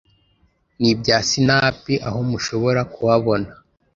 n’ibya sinapi. Aho mushobora kuhabona